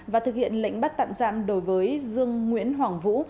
và thực hiện lệnh bắt tạm giam đối với dương nguyễn hoàng vũ